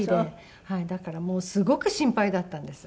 だからもうすごく心配だったんです。